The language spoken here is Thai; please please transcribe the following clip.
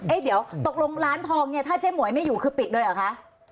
อ่ะอ่ะเอ๊ะเดี๋ยวตกลงร้านทองเนี่ยถ้าเจ๊หมวยไม่อยู่คือปิดด้วยเหรอคะ